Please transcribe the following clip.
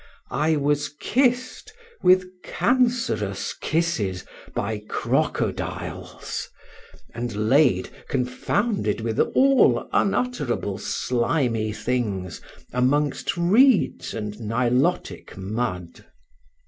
I was kissed, with cancerous kisses, by crocodiles; and laid, confounded with all unutterable slimy things, amongst reeds and Nilotic mud.